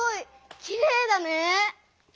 きれいだね。